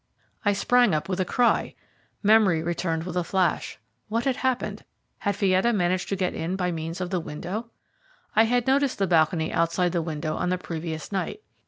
I sprang up with a cry; memory returned with a flash. What had happened? Had Fietta managed to get in by means of the window? I had noticed the balcony outside the window on the previous night.